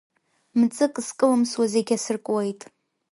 Мҵык зкылымсуа зегь асыркуеит.